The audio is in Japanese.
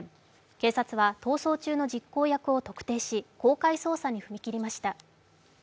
警察は逃走中の実行役を特定し、公開捜査に踏み切りました。